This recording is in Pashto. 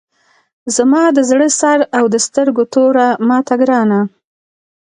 زما د زړه سر او د سترګو توره ماته ګرانه!